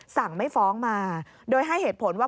สั่งไม่ฟ้องมาโดยให้เหตุผลว่า